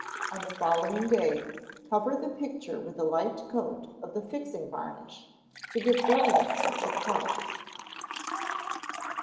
On the following day, cover the picture with a light coat of the fixing varnish, to give brilliancy to the colours.